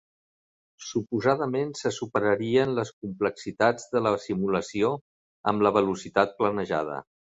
Suposadament se superarien les complexitats de la simulació amb la velocitat planejada.